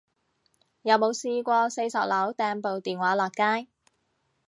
有冇試過四十樓掟部電話落街